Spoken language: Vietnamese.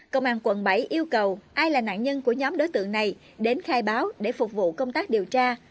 công an quận bảy yêu cầu ai là nạn nhân của nhóm đối tượng này đến khai báo để phục vụ công tác điều tra